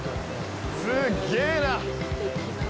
すっげえな。